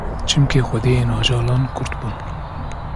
Çimkî xwediyên ajalan Kurd bûn